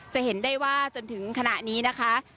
จะเห็นได้ว่าจนถึงขณะนี้นะคะ